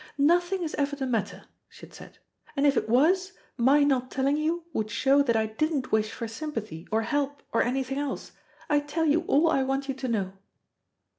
"Nothing is ever the matter," she had said, "and if it was, my not telling you would show that I didn't wish for sympathy, or help, or anything else. I tell you all I want you to know."